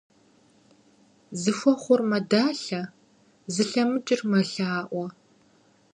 Зыхуэхъур мэдалъэ, зылъэмыкӀыр мэлъаӀуэ.